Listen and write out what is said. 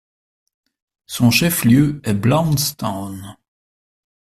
Son chef-lieu est Blountstown.